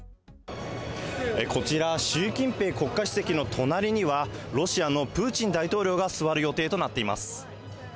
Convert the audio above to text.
こちら、習近平国家主席の隣には、ロシアのプーチン大統領が座る予定となっています。